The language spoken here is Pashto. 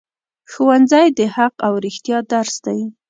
ښوونځی د حق او رښتیا درس دی